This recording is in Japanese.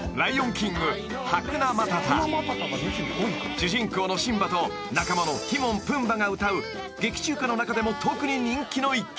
［主人公のシンバと仲間のティモンプンバァが歌う劇中歌の中でも特に人気の１曲］